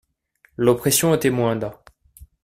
L'oppression était moindre.